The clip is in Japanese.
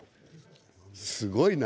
すごいな。